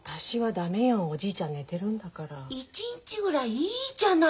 １日ぐらいいいじゃない。